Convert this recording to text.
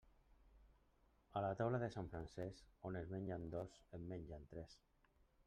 A la taula de sant Francesc, on en mengen dos en mengen tres.